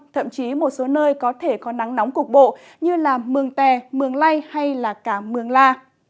thậm chí một số nơi có thể có nắng nóng cục bộ như mường tè mường lây hay cả mường la